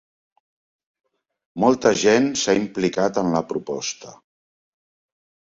Molta gent s'ha implicat en la proposta.